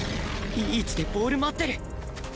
いい位置でボール待ってる！